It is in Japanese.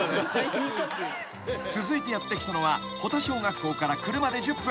［続いてやって来たのは保田小学校から車で１０分］